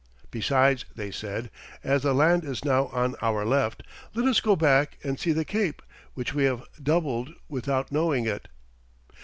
"Besides," they said, "as the land is now on our left, let us go back and see the Cape, which we have doubled without knowing it."